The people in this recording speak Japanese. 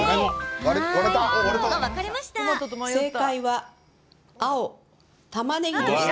正解は青・たまねぎでした。